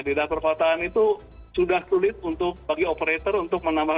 di daerah perkotaan itu sudah sulit untuk bagi operator untuk menambah